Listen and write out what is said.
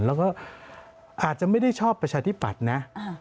แล้วก็อาจจะไม่ได้ชอบประชาธิปัตย์นะ